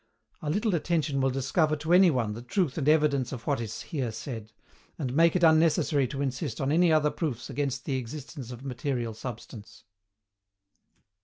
A little attention will discover to any one the truth and evidence of what is here said, and make it unnecessary to insist on any other proofs against the existence of material substance.